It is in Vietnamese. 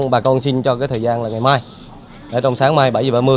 bà con xin cho cái thời gian là ngày mai trong sáng mai bảy h ba mươi